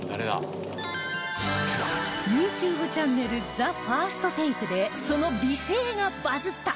ＹｏｕＴｕｂｅ チャンネル ＴＨＥＦＩＲＳＴＴＡＫＥ でその美声がバズった！